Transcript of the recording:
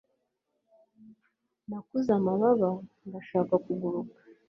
nakuze amababa, ndashaka kuguruka